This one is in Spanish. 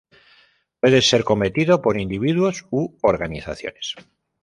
Puede ser cometido por individuos u organizaciones.